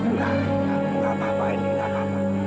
enggak enggak enggak apa apa ini enggak lama